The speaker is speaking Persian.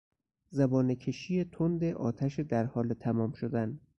زبانهکشی تند آتش در حال تمام شدن